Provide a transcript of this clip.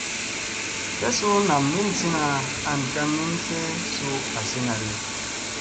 Tle suu nam minisina an ka min tle suu asinadi.